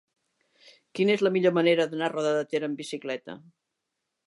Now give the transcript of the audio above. Quina és la millor manera d'anar a Roda de Ter amb bicicleta?